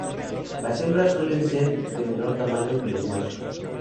Las hembras suelen ser de menor tamaño que los machos.